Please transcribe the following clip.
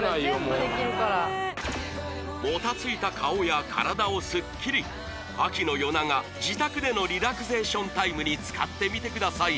もうもたついた顔や体をスッキリ秋の夜長自宅でのリラクゼーションタイムに使ってみてください